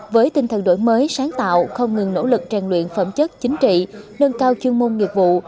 với tinh thần đổi mới sáng tạo không ngừng nỗ lực rèn luyện phẩm chất chính trị nâng cao chuyên môn nghiệp vụ